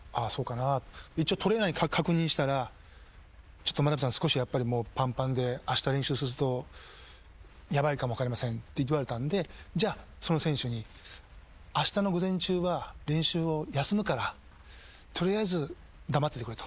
一応トレーナーに確認したら眞鍋さんやっぱりもうパンパンであした練習するとヤバいかも分かりませんって言われたんでじゃあその選手にあしたの午前中は練習を休むから取りあえず黙っててくれと。